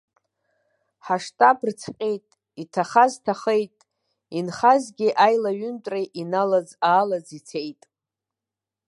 Ҳаштаб рыцҟьеит, иҭахаз ҭахеит, инхазгьы аилаҩынтра иналаӡ-аалаӡ ицеит.